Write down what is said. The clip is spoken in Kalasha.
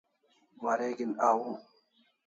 Wareg'in au